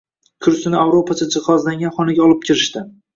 Kursini ovro`pacha jihozlangan xonaga olib kirishdi